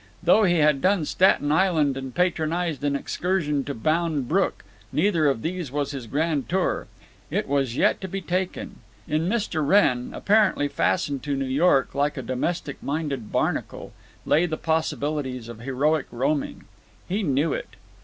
Though he had done Staten Island and patronized an excursion to Bound Brook, neither of these was his grand tour. It was yet to be taken. In Mr. Wrenn, apparently fastened to New York like a domestic minded barnacle, lay the possibilities of heroic roaming. He knew it.